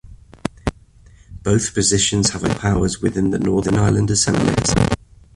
Both positions have identical powers within the Northern Ireland Assembly.